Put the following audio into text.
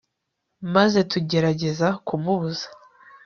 maze tugerageza kumubuza